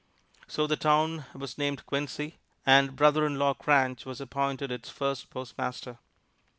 So the town was named Quincy, and brother in law Cranch was appointed its first postmaster.